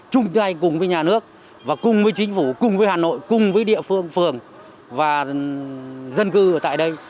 chung tay cùng với nhà nước và cùng với chính phủ cùng với hà nội cùng với địa phương phường và dân cư ở tại đây